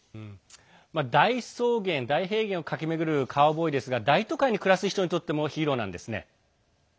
大草原を駆け巡るカウボーイですが大都会に暮らす人にとってもヒーローなんですね。